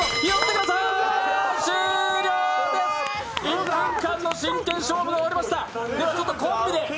１分間の真剣勝負が終わりました。